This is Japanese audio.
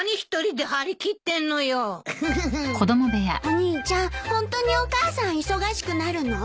お兄ちゃんホントにお母さん忙しくなるの？